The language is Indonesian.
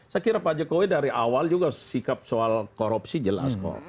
saya kira pak jokowi dari awal juga sikap soal korupsi jelas kok